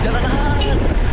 nanti kita cari